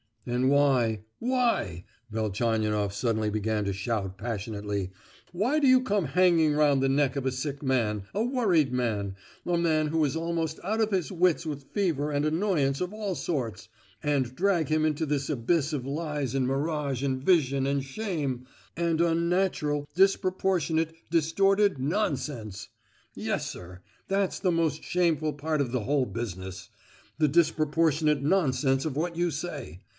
"And why—why (Velchaninoff suddenly began to shout passionately)—why do you come hanging round the neck of a sick man, a worried man—a man who is almost out of his wits with fever and annoyance of all sorts, and drag him into this abyss of lies and mirage and vision and shame—and unnatural, disproportionate, distorted nonsense! Yes, sir, that's the most shameful part of the whole business—the disproportionate nonsense of what you say!